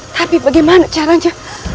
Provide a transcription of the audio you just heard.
tapi bagaimana caranya